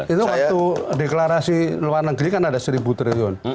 itu waktu deklarasi luar negeri kan ada seribu triliun